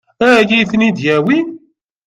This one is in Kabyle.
Ad iyi-ten-id-yawi?